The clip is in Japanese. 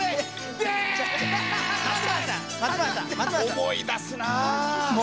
思い出すなあ。